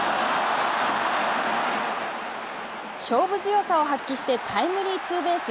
勝負強さを発揮してタイムリーツーベース。